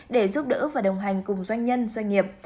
để giúp đỡ và đồng hành cùng doanh nhân doanh nghiệp